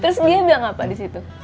terus dia bilang apa disitu